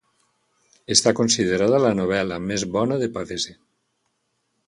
Està considerada la novel·la més bona de Pavese.